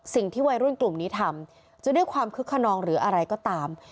สิ่งที่วัยรุ่นกลุ่มนี้ทำจะด้วยความคึกขนองหรืออะไรก็ตาม